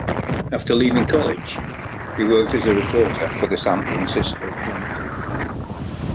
After leaving college, he worked as a reporter for the "San Francisco Chronicle".